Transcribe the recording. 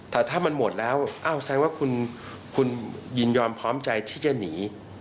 แต่ถ้ามันหมดแล้วอ้าวแสดงว่าคุณยินยอมพร้อมใจที่จะหนี